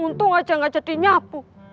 untung aja gak jadi nyapu